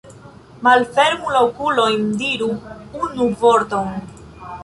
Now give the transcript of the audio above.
Malfermu la okulojn, diru unu vorton!